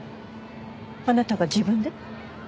あなたが自分で？